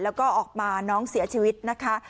แล้วก็ออกมาน้องเสียชีวิตนะคะ